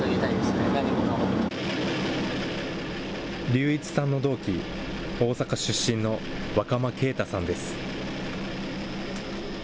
竜一さんの同期、大阪出身の若間圭汰さんです。